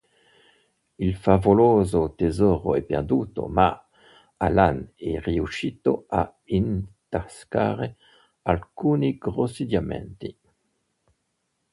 Il favoloso tesoro è perduto, ma Allan è riuscito a intascare alcuni grossi diamanti.